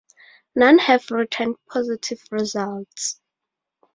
None have returned positive results.